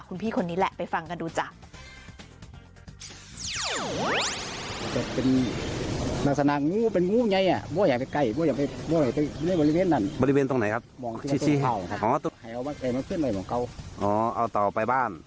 คุณพี่คนนี้แหละไปฟังกันดูจ้ะ